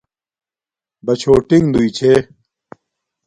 بَچھݸٹیݣ دݸئی چھݺ.